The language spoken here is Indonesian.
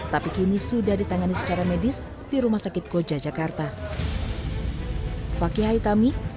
tapi kini sudah ditangani secara medis di rumah sakit koja jakarta